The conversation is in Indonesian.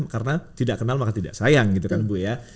karena tidak kenal maka tidak sayang gitu kan bu ya